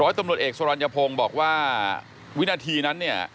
ตำรวจเอกสรรยพงศ์บอกว่าวินาทีนั้นเนี่ย